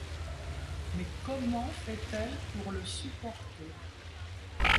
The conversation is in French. Mais comment fait-elle pour le supporter ?